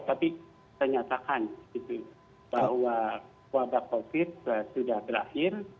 tapi ternyatakan bahwa wabah covid sudah berakhir